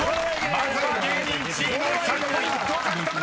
［まずは芸人チーム１００ポイント獲得です］